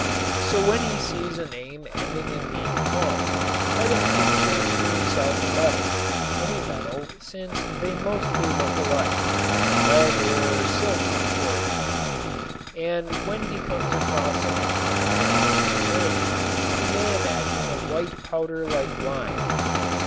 So when he sees a name ending in _ um_ let him picture to himself a metal, any metal since they mostly look alike, lead or silver, for example. And when he comes across a name ending in _ a_ he may imagine a white powder like lime.